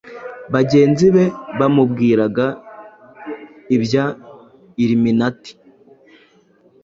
bagenzi be bamubwiraga ibya illiminati.